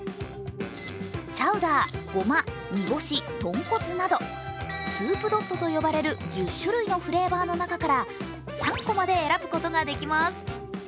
チャウダー、ゴマ、ニボシ、トンコツなどスープドットと呼ばれる１０種類のフレーバーの中から３個まで選ぶことができます。